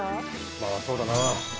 まあそうだな。